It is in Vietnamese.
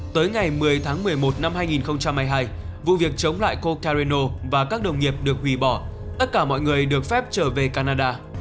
tới ngày một mươi tháng một mươi một năm hai nghìn hai mươi hai vụ việc chống lại cocareno và các đồng nghiệp được hủy bỏ tất cả mọi người được phép trở về canada